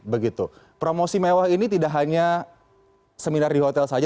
begitu promosi mewah ini tidak hanya seminar di hotel saja